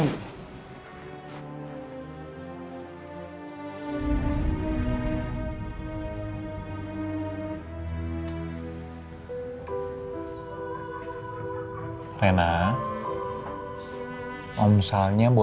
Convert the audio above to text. oke sampai nanti